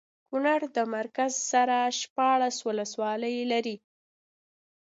کونړ د مرکز سره شپاړس ولسوالۍ لري